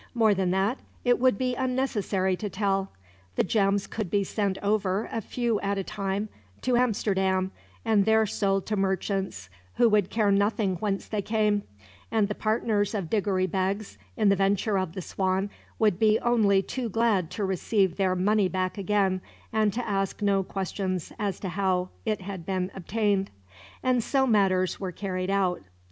More than that, it would be unnecessary to tell. The gems could be sent over, a few at a time, to Amsterdam; and there sold to merchants who would care nothing whence they came; and the partners of Diggory Beggs, in the venture of the Swan, would be only too glad to receive their money back again, and to ask no questions as to how it had been obtained. And so matters were carried out.